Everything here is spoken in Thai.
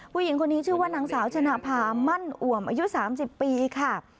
ผู้หญิงคนนี้ชื่อว่านางสาวชนะภามั่นอ่วมอายุ๓๐ปีค่ะ